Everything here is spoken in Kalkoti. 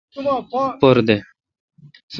پر دد۔